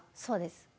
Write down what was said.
そうです。